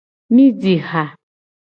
Mi ji ha.